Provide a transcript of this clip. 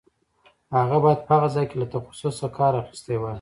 هغه باید په هغه ځای کې له تخصص څخه کار اخیستی وای.